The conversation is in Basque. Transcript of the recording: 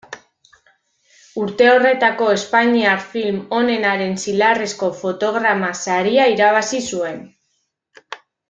Urte horretako Espainiar film onenaren Zilarrezko Fotogramas saria irabazi zuen.